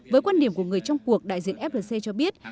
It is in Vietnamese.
với quan điểm của người trong cuộc đại diện flc cho biết